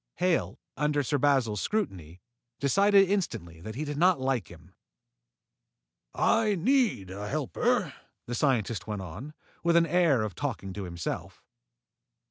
Hale, under Sir Basil's scrutiny, decided instantly that he did not like him. "I need a helper," the scientist went on, with the air of talking to himself.